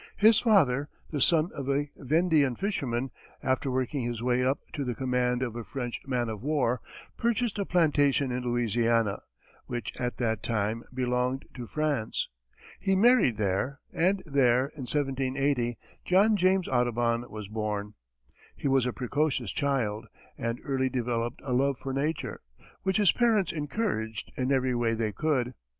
His father, the son of a Vendean fisherman, after working his way up to the command of a French man of war, purchased a plantation in Louisiana, which at that time belonged to France. He married there, and there, in 1780, John James Audubon was born. He was a precocious child, and early developed a love for nature, which his parents encouraged in every way they could.